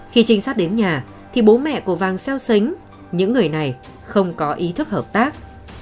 khi trinh sát đến nhà thì bố mẹ của vàng xeo xánh những người này không có ý thức hợp tác